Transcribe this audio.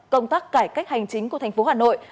công tác cải cách hành chính của thành phố hà nội